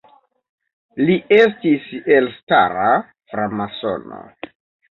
Li estis elstara framasono.